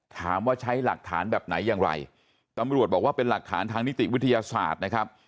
ถามว่าใช้หลักฐานแบบไหนอย่างไรตำรวจบอกว่าเป็นหลักฐานทางนิติวิทยาศาสตร์นะครับ